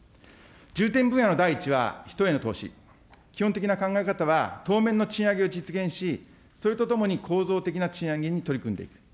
重点分野の第１は人への投資、基本的な考え方は当面の賃上げを実現し、それとともに構造的な賃上げに取り組んでいく。